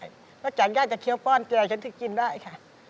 แล้วจากยากจะเคี้ยวป้อนแกก็จินได้ค่ะ